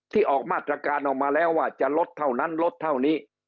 ออกมาตรการออกมาแล้วว่าจะลดเท่านั้นลดเท่านี้